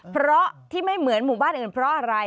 เพราะที่ไม่เหมือนหมู่บ้านอื่นเพราะอะไร